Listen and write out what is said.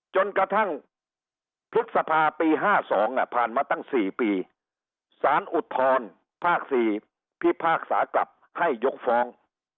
จนกระทั่งพฤษภาปี๕๒ผ่านมาตั้ง๔ปีสารอุทธรภาค๔พิพากษากลับให้ยกฟ้อง